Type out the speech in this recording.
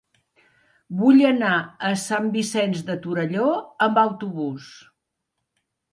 Vull anar a Sant Vicenç de Torelló amb autobús.